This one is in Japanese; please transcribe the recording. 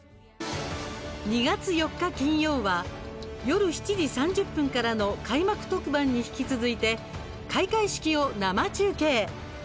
２月４日、金曜は夜７時３０分からの開幕特番に引き続いて、開会式を生中継。